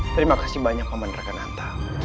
terima kasih banyak paman rakan anta